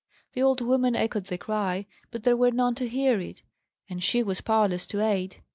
The old woman echoed the cry; but there were none to hear it, and she was powerless to aid.